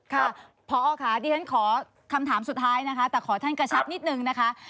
ค่ะพอค่ะดิฉันขอคำถามสุดท้ายนะคะแต่ขอท่านกระชับนิดนึงนะคะ